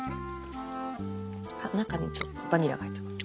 あ中にちょっとバニラが入ってます。